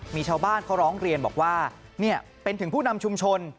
มีชาวบ้านเขาร้องเรียนบอกว่าเป็นถึงผู้นำชุมชน